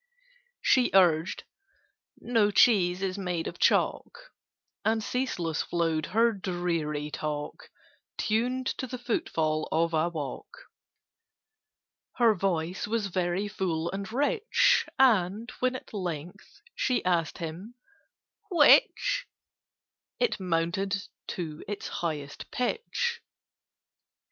She urged "No cheese is made of chalk": And ceaseless flowed her dreary talk, Tuned to the footfall of a walk. Her voice was very full and rich, And, when at length she asked him "Which?" It mounted to its highest pitch.